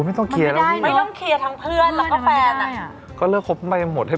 ไม่ต้องเคลียร์แล้วที่นี่หรอไม่ได้